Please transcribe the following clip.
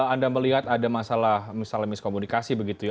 anda melihat ada masalah misalnya miskomunikasi begitu ya